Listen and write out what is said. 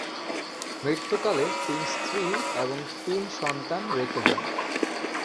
মৃত্যুকালে তিনি স্ত্রী এবং তিন সন্তান রেখে যান।